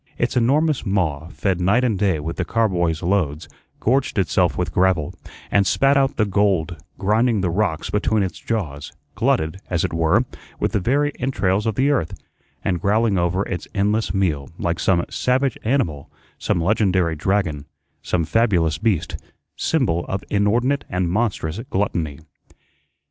Its enormous maw, fed night and day with the car boys' loads, gorged itself with gravel, and spat out the gold, grinding the rocks between its jaws, glutted, as it were, with the very entrails of the earth, and growling over its endless meal, like some savage animal, some legendary dragon, some fabulous beast, symbol of inordinate and monstrous gluttony.